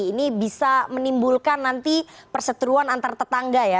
ini bisa menimbulkan nanti perseteruan antar tetangga ya